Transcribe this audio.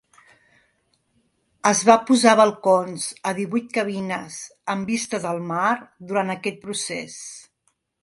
Es va posar balcons a divuit cabines amb vistes al mar durant aquest procés.